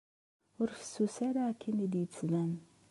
Ur fessus ara akken i d-yettban.